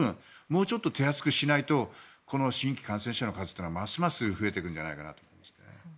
もうちょっと手厚くしないとこの新規感染者の数というのはますます増えてくるんじゃないかと思います。